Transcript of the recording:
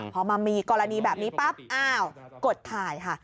พอมันมีกรณีแบบนี้ปั๊บอ้าวกดถ่ายค่ะ